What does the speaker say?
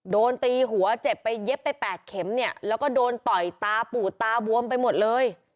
โดนตีหัวเจ็บไปเย็บไป๘เข็มเนี่ยแล้วก็โดนต่อยตาปูดตาบวมไปหมดเลย